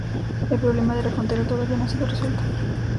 El problema de la frontera todavía no ha sido resuelto.